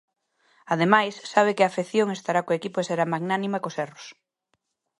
Ademais, sabe que a afección estará co equipo e será magnánima cos erros.